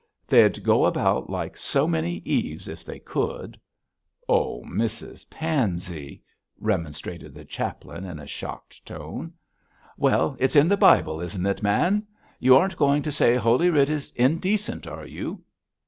They'd go about like so many Eves if they could.' 'Oh, Mrs Pansey!' remonstrated the chaplain, in a shocked tone. 'Well, it's in the Bible, isn't it, man? You aren't going to say Holy Writ is indecent, are you?'